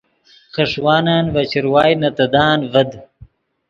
خݰوانن ڤے چروائے نے تیدان ڤد